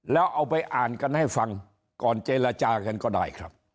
แล้วเอาไปอ่านกันให้ฟังก่อนเจรจากันก็ได้ครับ